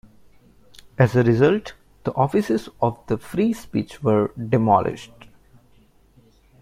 As a result, the offices of the "Free Speech" were demolished.